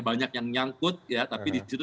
banyak yang nyangkut tapi di situ